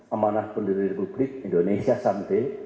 amanah pendiri republik indonesia santai